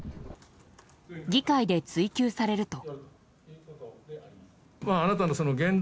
議会で追及されると。